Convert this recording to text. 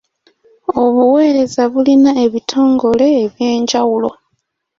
Obuwereza bulina ebitongole eby'enjawulo.